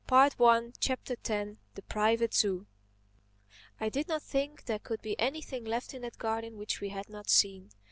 THE TENTH CHAPTER THE PRIVATE ZOO I DID not think there could be anything left in that garden which we had not seen.